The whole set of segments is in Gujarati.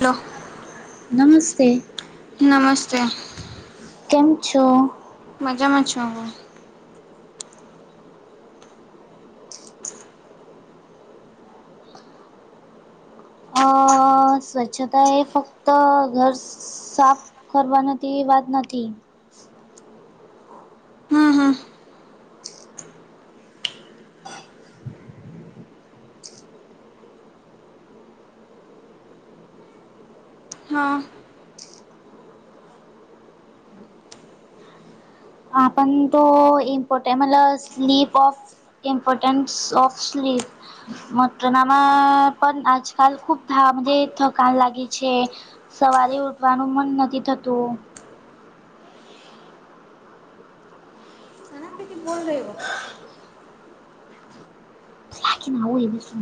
હલો નમસ્તે નમસ્તે કેમ છો મજામા છુ હુ અ સ્વચ્છતા એ ફક્ત ઘર સાફ કરવાના તેવી વાત નથી હમ હમ [unintelligible] હા. હા પણ તો ઈમ્પોટ મતલ sleep of importance of sleep મટનામાં પણ આજકાલ ખૂબ ધાજ થકાન લાગે છે સવારે ઉઠવાનું મન નથી થતું બોલ રહઈવ લાગી ના હોય એવ શું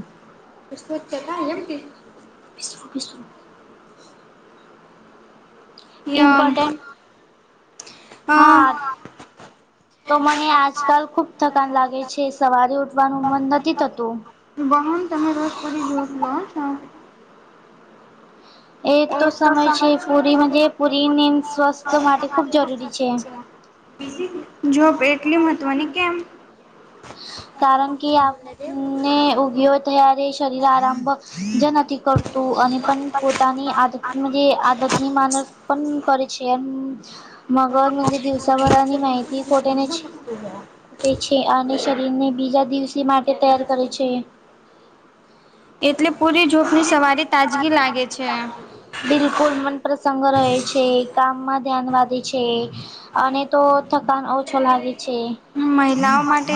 સ્વચછતા એમ કે [unintelligible] ઇમ્પોટેન્ટ હા. તો મને આજકાલ ખુબ થકાન લાગે છે સવારે ઉઠવાનું મન નથી થતું વાહન તમે રોજ પરી જો છો ના એ એક તો સમય સમર છે [unintelligible] પૂરી મજે પૂરી નીંદ સ્વસ્થ માટે ખૂબ જરૂરી છે. છેે. [inaudible] જોબ એટલી મહત્વની કેમ કારણ કે આપને ઉગ્યો અત્યારે શરીર આરામ પણ જ નથી કરતું અને પણ તાની આદત મુજે આદત ની માણસ પણ કરે છે એ મગજ દિવસ ભરની માહિતી ઈમ્પોર્ટન્ટ છે તે છે અને શરીર ને બીજા દિવસે માટે તૈયાર કરે છે એટલે પૂરી જોખની સવારી તાજગી લાગે છે બિલકુલ મન પ્રસંગ રહે છે કામમાં ધ્યાન વાદે છે અને તો થકાન ઓછો લાગે છે મહિલાઓ માટે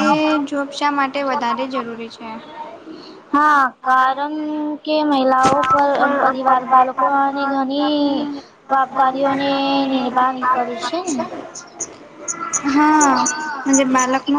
જોબ શા માટે [inaudible] વધારે જરૂરી છે [inaudible] હા કારણ કે [unintelligible] [unintelligible] મહિલાઓ પર પરિવાર બાળકોને ઘણી જવાબદારીઓને નિર્વાહ કરી છે ને હા અને બાલક નુ